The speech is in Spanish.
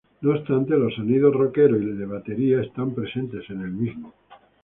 No obstante, los sonidos roqueros y de batería están presentes en el mismo.